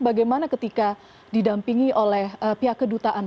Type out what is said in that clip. bagaimana ketika didampingi oleh pihak kedutaan